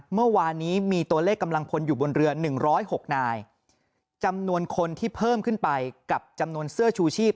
เมื่อวานนี้มีตัวเลขกำลังพลอยู่บนเรือหนึ่งร้อยหกนายจำนวนคนที่เพิ่มขึ้นไปกับจำนวนเสื้อชูชีพ